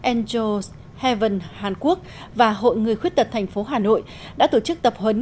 angel heaven hàn quốc và hội người khuyết tật tp hà nội đã tổ chức tập huấn